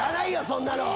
そんなの。